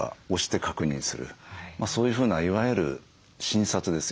そういうふうないわゆる診察ですよね。